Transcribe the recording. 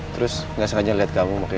terus gak sengaja liat kamu makanya